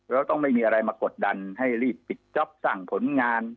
แล้วต้องไม่มีอะไรมากดดันให้รีบปิดจ๊อปสร้างผลงาน